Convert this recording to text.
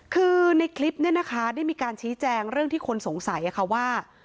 คือในคลิปเนี่ยนะคะได้มีการชี้แจงเรื่องที่คนสงสัยค่ะว่า